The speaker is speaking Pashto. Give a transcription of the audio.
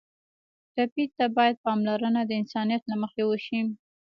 ټپي ته باید پاملرنه د انسانیت له مخې وشي.